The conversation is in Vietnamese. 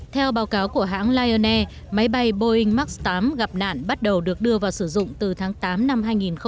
theo báo cáo của hãng lion air máy bay boeing max tám gặp nạn bắt đầu được đưa vào sử dụng từ tháng tám năm hai nghìn một mươi tám